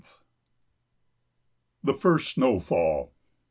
THE FIRST SNOW FALL.